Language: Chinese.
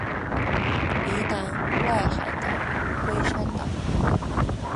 宜兰外海的龟山岛